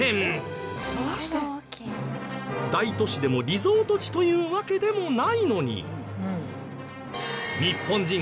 大都市でもリゾート地というわけでもないのに。